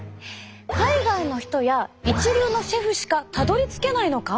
海外の人や一流のシェフしかたどりつけないのか？